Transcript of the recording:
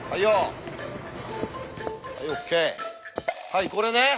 はいこれね。